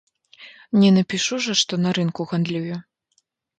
Не напішу жа, што на рынку гандлюю.